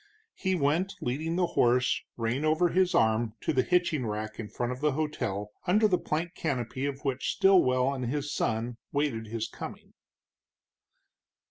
He went leading the horse, rein over his arm, to the hitching rack in front of the hotel, under the plank canopy of which Stilwell and his son waited his coming.